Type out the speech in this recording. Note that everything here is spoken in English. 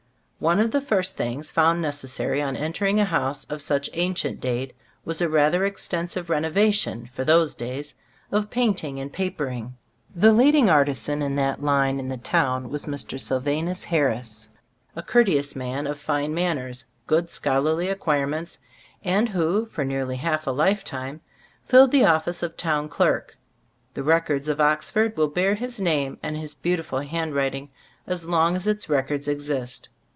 One of the first things found necessary on entering a house of such ancient date, was a rather extensive renovation, for those days, of painting and papering. The leading artisan in that line in the 50 XTbe Stors of Ay Cbi foboofc town was Mr. Sylvanus Harris, a courteous man of fine manners, good scholarly acquirements, and who, for nearly half a lifetime, filled the of fice of town clerk. The records of Oxford will bear his name and his beautiful handwriting as long as its records exist.